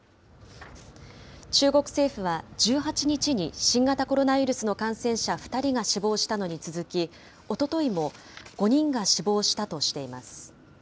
中国政府は１８日に新型コロナウイルスの感染者２人が死亡したのに続き、おとといも５人が死亡したとしています。